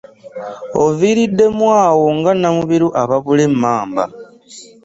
Oviiriddemu awo nga Namubiru ababula emmamba.